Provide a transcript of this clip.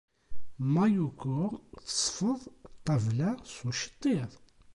Mayuko tesfeḍ ṭṭabla s uceṭṭiḍ.